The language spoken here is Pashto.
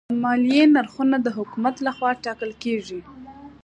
د مالیې نرخونه د حکومت لخوا ټاکل کېږي.